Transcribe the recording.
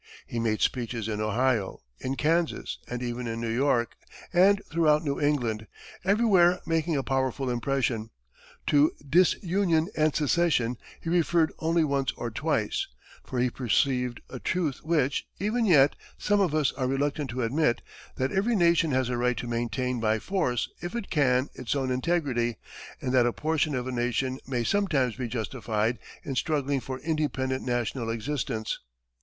He made speeches in Ohio, in Kansas, and even in New York and throughout New England, everywhere making a powerful impression. To disunion and secession he referred only once or twice, for he perceived a truth which, even yet, some of us are reluctant to admit: that every nation has a right to maintain by force, if it can, its own integrity, and that a portion of a nation may sometimes be justified in struggling for independent national existence.